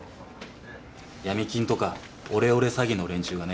闇金とかオレオレ詐欺の連中がね